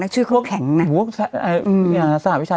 เจเรงโอ้โห